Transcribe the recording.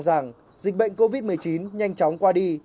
rằng dịch bệnh covid một mươi chín nhanh chóng qua đi